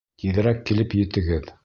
Тиҙерәк килеп етегеҙ!